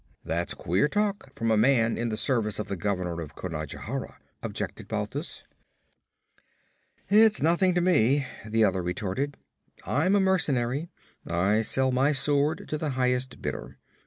'That's queer talk from a man in the service of the Governor of Conajohara,' objected Balthus. 'It's nothing to me,' the other retorted. 'I'm a mercenary. I sell my sword to the highest bidder.